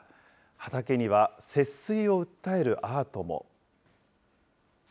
畑には節水を訴えるアートも。